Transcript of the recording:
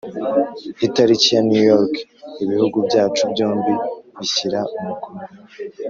Itariki ya new york ibihugu byacu byombi bishyira umukono